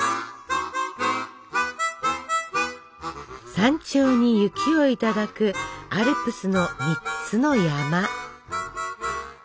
山頂に雪をいただくアルプスの３つの山。